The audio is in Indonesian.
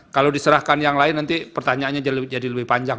kalau diserahkan yang lain nanti pertanyaannya jadi lebih panjang